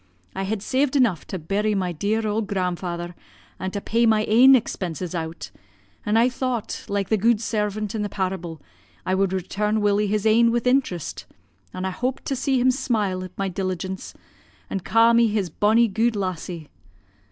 I had saved enough to bury my dear auld grandfather, and to pay my ain expenses out, and I thought, like the gude servant in the parable, I wud return Willie his ain with interest; an' I hoped to see him smile at my diligence, an' ca' me his bonnie gude lassie.